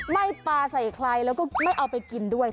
ปลาใส่ใครแล้วก็ไม่เอาไปกินด้วย